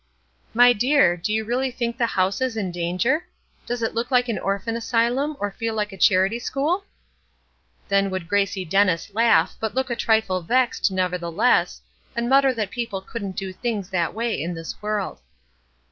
"My dear, do you really think the house is in danger? Does it look like an orphan asylum or feel like a charity school?" Then would Gracie Dennis laugh, but look a trifle vexed, nevertheless, and mutter that people couldn't do things that way in this world.